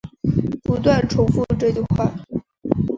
不停重复这句话